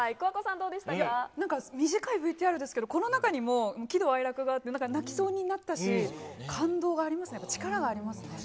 なんか、短いＶＴＲですけど、この中にも喜怒哀楽があって、なんか泣きそうになったし、感動がありますね、力がありますね。